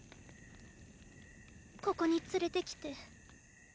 ここに連れてきて。